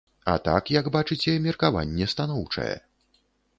А так, як бачыце, меркаванне станоўчае.